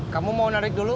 kamu mau narik dulu